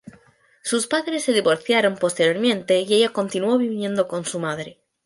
Sus padres se divorciaron posteriormente y ella continuó viviendo con su madre.